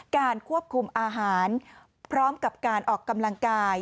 การควบคุมอาหารพร้อมกับการออกกำลังกาย